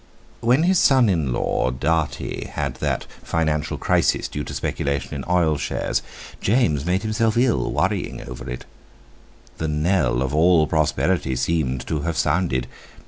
When his son in law Dartie had that financial crisis, due to speculation in Oil Shares, James made himself ill worrying over it; the knell of all prosperity seemed to have sounded.